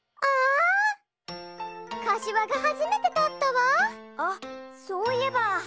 あっそういえば。